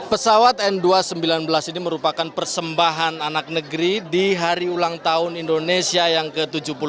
pesawat n dua ratus sembilan belas ini merupakan persembahan anak negeri di hari ulang tahun indonesia yang ke tujuh puluh delapan